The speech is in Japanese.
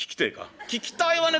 「聞きたいわね